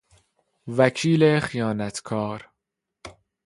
وکیل خیانت کار